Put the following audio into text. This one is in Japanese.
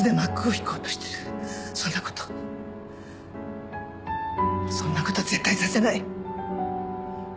そんな事そんな事絶対させない！